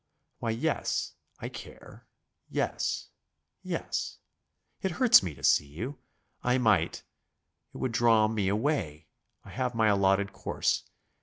Why, yes, I care yes, yes. It hurts me to see you. I might.... It would draw me away. I have my allotted course.